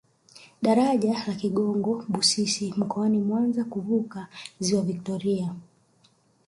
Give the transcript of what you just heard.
Daraja la Kigongo Busisi mkoani mwanza kuvuka ziwa viktoria